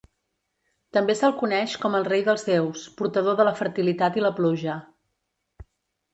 També se'l coneix com el rei dels déus, portador de la fertilitat i la pluja.